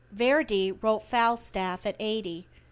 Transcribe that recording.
Verdi wrote "Falstaff" at eighty.